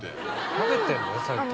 食べてんのよさっき。